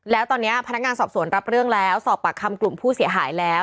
แล้วตอนนี้พนักงานสอบสวนรับเรื่องแล้วสอบปากคำกลุ่มผู้เสียหายแล้ว